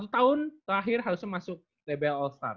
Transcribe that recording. sepuluh tahun terakhir harusnya masuk dbl all star